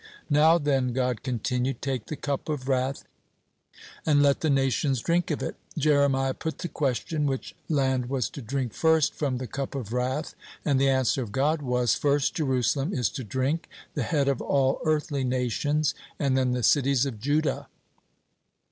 Now, then," God, continued, "take the 'cup of wrath,' and let the nations drink of it." Jeremiah put the question which land was to drink first from the "cup of wrath," and the answer of God was: "First Jerusalem is to drink, the head of all earthly nations, and then the cities of Judah."